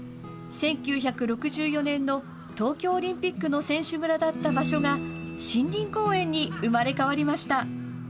１９６４年の東京オリンピックの選手村だった場所が森林公園に生まれ変わりました。